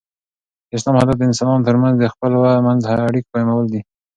د اسلام هدف د انسانانو تر منځ د خپل منځي اړیکو قایمول دي.